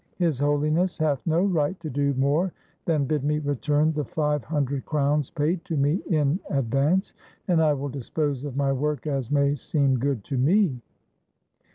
His Holiness hath no right to do more than bid me return the five hundred crowns paid to me in advance, and I will dis pose of my work as may seem good to me."